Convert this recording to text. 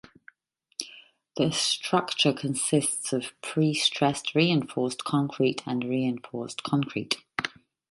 The structure consists of prestressed reinforced concrete and reinforced concrete.